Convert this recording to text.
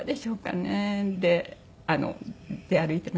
で出歩いてました。